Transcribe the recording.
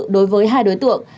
đối với hai đối tượng